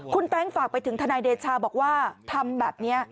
คุณแต๊งฝากไปถึงทนายเดชาบอกว่าทำแบบนี้